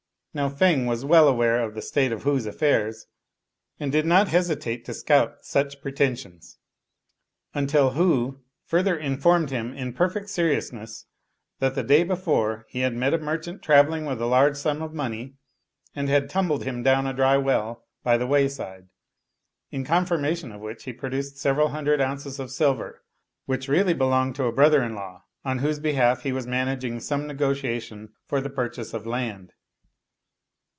Now Feng was well aware of the state of Hu's affairs, and did not hesitate to scout such preten sions, until Hu further informed him in perfect seriousness that the day before he had met a merchant traveling with a large sum of money and had tumbled him down a dry well by the wayside ; in confirmation of which he produced sev 104 Judgment of a Solomon eral hundred ounces of silver, which really belonged to a brother in law on whose behalf he was managing some negotiation for the purchase of land.